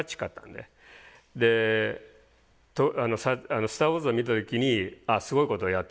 で「スター・ウォーズ」を見た時にああすごいことをやってるなと。